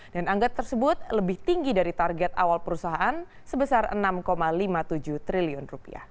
dan anggat tersebut lebih tinggi dari target awal perusahaan sebesar rp enam lima puluh tujuh triliun